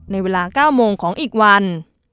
ในเวลา๙โมงของอีกวัน